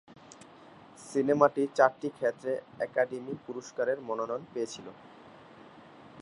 সিনেমাটি চারটি ক্ষেত্রে অ্যাকাডেমি পুরস্কারের মনোনয়ন পেয়েছিল।